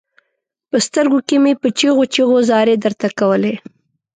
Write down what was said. په سترګو کې مې په چيغو چيغو زارۍ درته کولې.